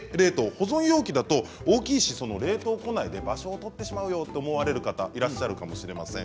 保存容器だと大きいし冷凍庫内で場所を取ってしまうよと思われる方いらっしゃるかもしれません。